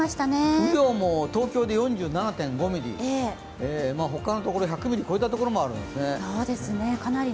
雨量も東京で４７．５ミリ他のところは１００ミリを超えた所もあったんですね。